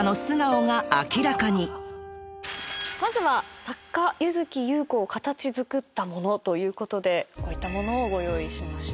まずは作家柚月裕子を形づくったものということでこういったものをご用意しました。